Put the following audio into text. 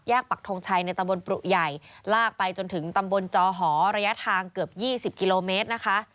ปักทงชัยในตำบลปรุใหญ่ลากไปจนถึงตำบลจอหอระยะทางเกือบ๒๐กิโลเมตรนะคะ